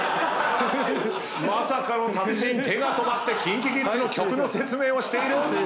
まさかの達人手が止まってＫｉｎＫｉＫｉｄｓの曲の説明をしている。